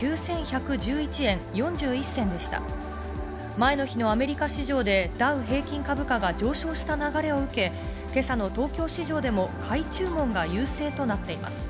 前の日のアメリカ市場でダウ平均株価が上昇した流れを受け、今朝の東京市場でも買い注文が優勢となっています。